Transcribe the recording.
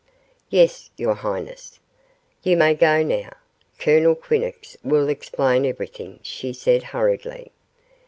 "Yes, your highness." "You may go now. Colonel Quinnox will explain everything," she said hurriedly.